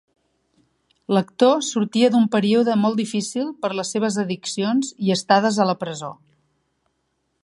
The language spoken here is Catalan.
L'actor sortia d'un període molt difícil per les seves addicions i estades a la presó.